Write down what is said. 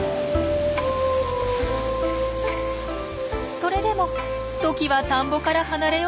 それでもトキは田んぼから離れようとしません。